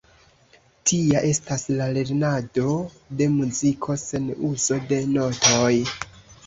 Tia estas la lernado de muziko sen uzo de notoj.